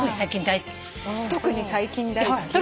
特に最近大好き。